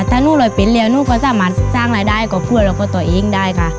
ถ้าหนูเลยเป็นเรียนหนูก็สามารถสร้างรายได้กับเพื่อนและกับตัวเองได้ค่ะ